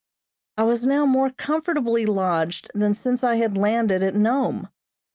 I was now more comfortably lodged than since I had landed at Nome.